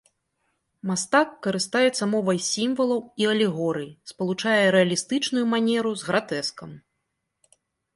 Мастак карыстаецца мовай сімвалаў і алегорый, спалучае рэалістычную манеру з гратэскам.